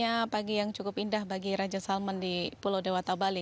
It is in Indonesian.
ya pagi yang cukup indah bagi raja salman di pulau dewata bali